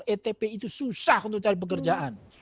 etp itu susah untuk cari pekerjaan